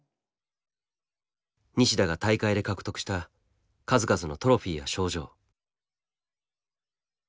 西田が大会で獲得した数々のトロフィーや賞状。